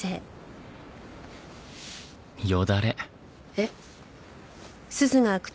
えっ？